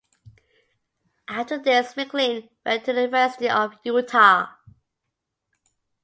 After this McLean went to the University of Utah.